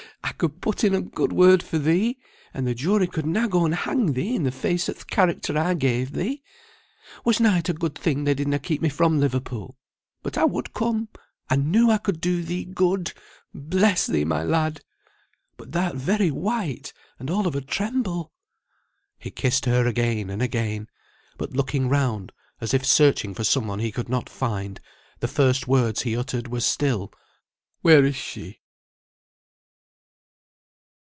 I could put in a good word for thee, and the jury could na go and hang thee in the face of th' character I gave thee. Was na it a good thing they did na keep me from Liverpool? But I would come; I knew I could do thee good, bless thee, my lad. But thou'rt very white, and all of a tremble." He kissed her again and again, but looking round as if searching for some one he could not find, the first words he uttered were still, "Where is she?"